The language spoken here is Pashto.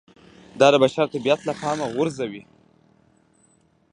دا د بشر طبیعت له پامه غورځوي